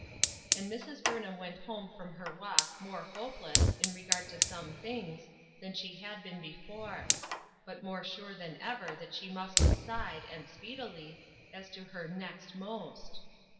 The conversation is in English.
And Mrs. Burnham went home from her walk more hopeless, in regard to some things, than she had been before ; but more sure than ever that she must decide, and speedily, as to her " next most."